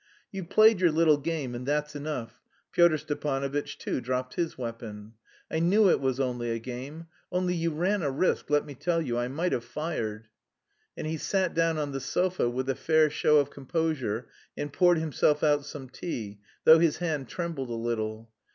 "You've played your little game and that's enough." Pyotr Stepanovitch, too, dropped his weapon. "I knew it was only a game; only you ran a risk, let me tell you: I might have fired." And he sat down on the sofa with a fair show of composure and poured himself out some tea, though his hand trembled a little.